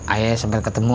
ayah sampai ketemu